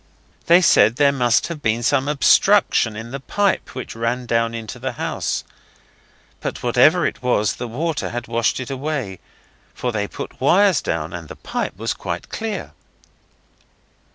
They said there must have been some obstruction in the pipe which ran down into the house, but whatever it was the water had washed it away, for they put wires down, and the pipe was quite clear.